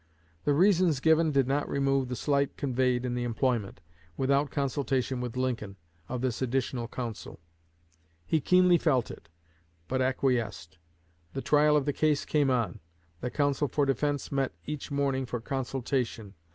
The reasons given did not remove the slight conveyed in the employment, without consultation with Lincoln, of this additional counsel. He keenly felt it, but acquiesced. The trial of the case came on; the counsel for defense met each morning for consultation.